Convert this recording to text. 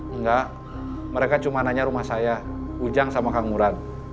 enggak mereka cuma nanya rumah saya ujang sama kanguran